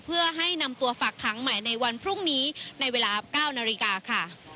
เพื่อให้นำตัวฝากขังใหม่ในวันพรุ่งนี้ในเวลา๙นาฬิกาค่ะ